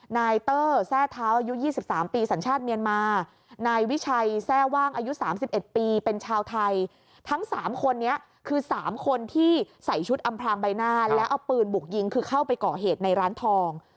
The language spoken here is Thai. นายเตอร์แทร่เท้าอายุ๒๓ปีสัญชาติเมียนมานายวิชัยแทร่ว่างอายุ๓๑ปีเป็นชาวไทยทั้ง๓คนนี้คือ๓คนที่ใส่ชุดอำพลางใบหน้าแล้วเอาปืนบุกยิงคือเข้าไปก่อเหตุในร้านทอง